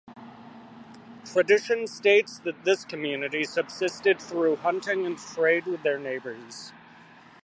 Tradition states that this community subsisted through hunting and trade with their neighbors.